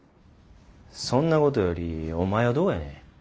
そんなことよりお前はどうやねん。